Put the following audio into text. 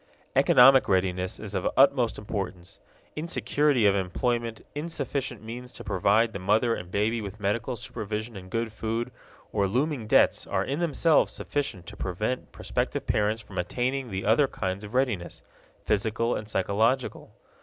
Economic readiness is of utmost importance. Insecurity of employment, insufficient means to provide the mother and baby with medical supervision and good food, or looming debts are in themselves sufficient to prevent prospective parents from attaining the other kinds of readiness physical and psychological.